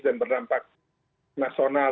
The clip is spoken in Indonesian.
dan berdampak nasional